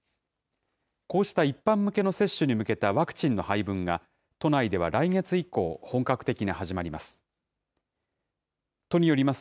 こうした一般向けの接種に向けたワクチンの配分が、都内では来月以降、本格的に始まります。